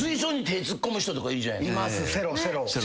いますセロセロ。